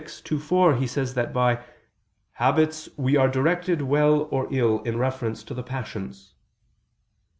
_ ii, 4, he says that by "habits we are directed well or ill in reference to the passions."